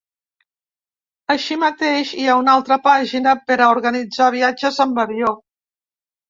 Així mateix, hi ha una altra pàgina per a organitzar viatges amb avió.